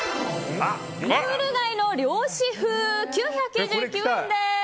ムール貝の漁師風、９９９円です。